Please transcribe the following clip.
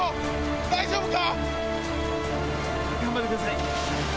大丈夫か？